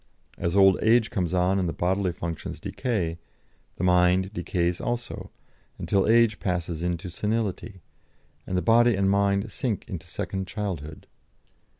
As old age comes on and the bodily functions decay, the mind decays also, until age passes into senility, and body and mind sink into second childhood.